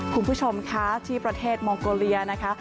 คุณผู้ชมคะที่ประเทศมองโกเลียนะคะ